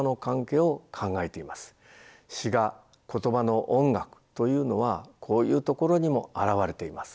詩が言葉の音楽というのはこういうところにも表れています。